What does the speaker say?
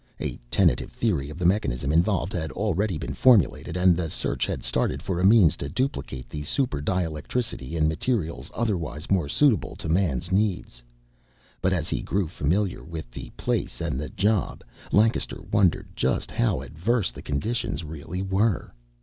A tentative theory of the mechanism involved had already been formulated, and the search had started for a means to duplicate the super dielectricity in materials otherwise more suitable to man's needs. But as he grew familiar with the place and the job, Lancaster wondered just how adverse the conditions really were.